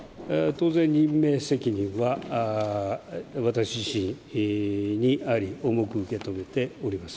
当然、任命責任は私自身にあり、重く受け止めております。